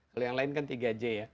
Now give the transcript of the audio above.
kalau yang lain kan tiga j ya